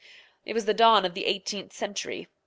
It was the dawn of the eighteenth century.